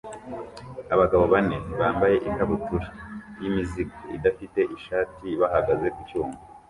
Abagabo bane bambaye ikabutura yimizigo idafite ishati bahagaze ku cyuma